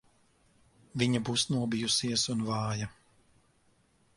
Viņa būs nobijusies un vāja.